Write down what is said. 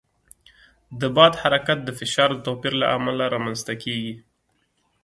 د باد حرکت د فشار د توپیر له امله رامنځته کېږي.